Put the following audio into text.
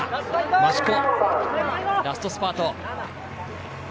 増子、ラストスパート。